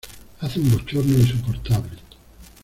Hace un bochorno insoportable.